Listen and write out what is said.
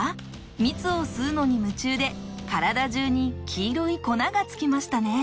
蜜を吸うのに夢中で体じゅうに黄色い粉がつきましたね。